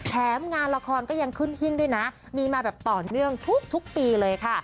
แถมงานละครก็ยังขึ้นหิ้งด้วยนะมีมาแบบต่อเนื่องทุกปีเลยค่ะ